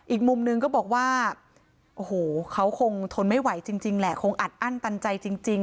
อีกมุมนึงก็บอกว่าโอ้โหเขาคงทนไม่ไหวจริงแหละคงอัดอั้นตันใจจริง